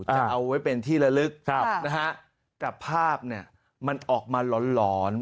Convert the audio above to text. จะเอาไว้เป็นที่ละลึกนะฮะแต่ภาพเนี่ยมันออกมาหลอน